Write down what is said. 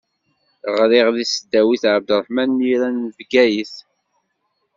Ɣriɣ deg tesdawit Ɛebderreḥman Mira n Bgayet.